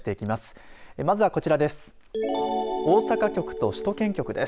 まずはこちらです。